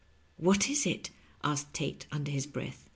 " What is it ?" asked Tate, under his breath.